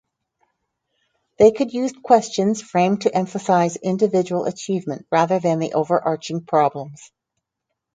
They could use questions framed to emphasize individual achievement rather than the overarching problems.